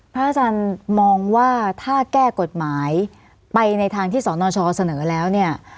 พระอาจารย์มองว่าถ้าแก้กฎหมายไปในทางที่สนชเสนอแล้วเนี่ย